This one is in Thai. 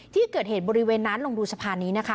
ที่เกิดเหตุบริเวณนั้นลองดูสะพานนี้นะคะ